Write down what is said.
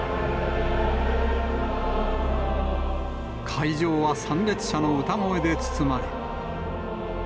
会場は参列者の歌声で包まれ。